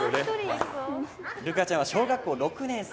琉楓ちゃんは小学校６年生。